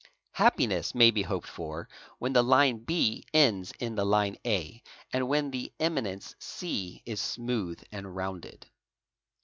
Happiness may be hoped for when the line B ends in the line A and when the emi nence C issmooth and rounded.